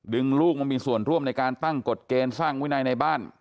ลูกมามีส่วนร่วมในการตั้งกฎเกณฑ์สร้างวินัยในบ้าน